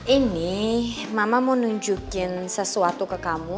ini mama mau nunjukin sesuatu ke kamu